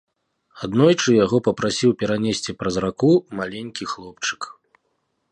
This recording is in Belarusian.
Аднойчы яго папрасіў перанесці праз раку маленькі хлопчык.